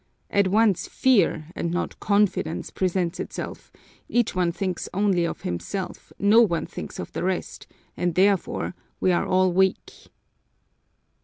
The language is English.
At once fear, and not confidence, presents itself; each one thinks only of himself, no one thinks of the rest, and therefore we are all weak!"